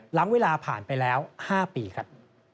หลังเวลาผ่านไปแล้ว๕ปีครับ